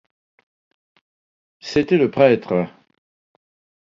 C’était le prêtre.